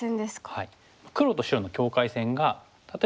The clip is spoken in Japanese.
はい。